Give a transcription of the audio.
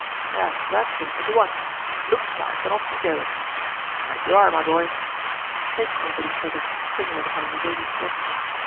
"Yes, that's it, at once. Look sharp and off we go!" "Right you are, my boy!" They taunted each other, stimulated by Gervaise's presence.